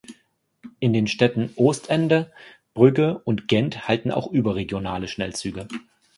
In den Städten Oostende, Brügge und Gent halten auch überregionale Schnellzüge.